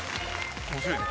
面白いね。